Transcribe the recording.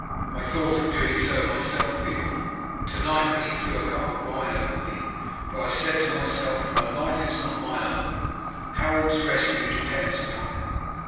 "I thought of doing so myself, Beorn, to night, when he threw a cup of wine over me. But I said to myself my life is not my own, Harold's rescue depends on it.